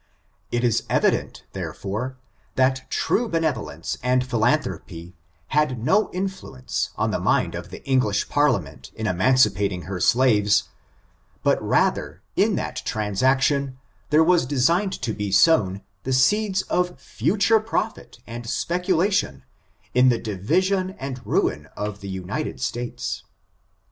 It is evident, therefore, that true benevolence and philanthropy, had no influence on the mind of the English parliament in emancipating her slaves, but rather, in that transaction, there was designed to be sown the seeds of future profit and speculation in the division and ruin of the United States.